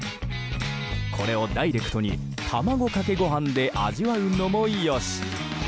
これをダイレクトに卵かけご飯で味わうのもよし。